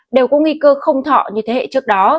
đều có nghi cơ không thọ như thế hệ trước đó